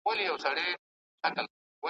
چي ملا شکرانه واخلي تأثیر ولاړ سي `